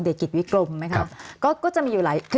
กิจวิกรมไหมคะก็จะมีอยู่หลาย